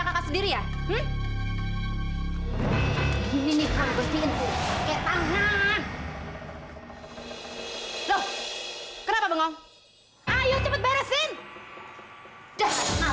kata mama ana belum boleh sekolah